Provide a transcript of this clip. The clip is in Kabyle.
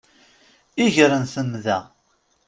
Iger n temda.